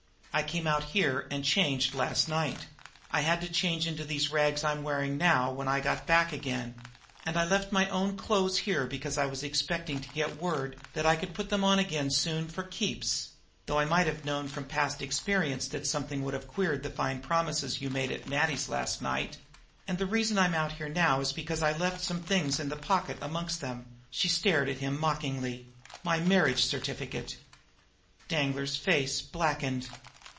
"I came out here and changed last night; and I changed into these rags I'm wearing now when I got back again; and I left my own clothes here because I was expecting to get word that I could put them on again soon for keeps though I might have known from past experience that something would queer the fine promises you made at Matty's last night! And the reason I'm out here now is because I left some things in the pocket, amongst them" she stared at him mockingly "my marriage certificate." Danglar's face blackened.